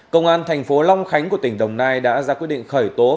công an thành phố long khánh của tỉnh đồng nai đã ra quyết định khởi tố